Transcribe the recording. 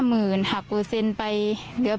ความปลอดภัยของนายอภิรักษ์และครอบครัวด้วยซ้ำ